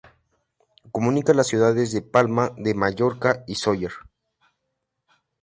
Comunica las ciudades de Palma de Mallorca y Sóller.